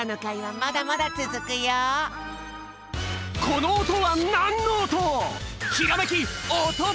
この音はなんの音？